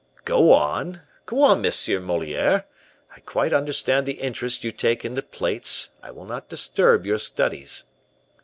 "Go on go on, Monsieur Moliere. I quite understand the interest you take in the plates I will not disturb your studies."